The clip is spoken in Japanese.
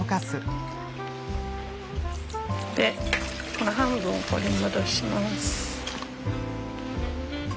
でこの半分これに戻します。